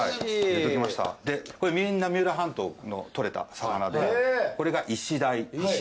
でみんな三浦半島の取れた魚でこれがイシダイ。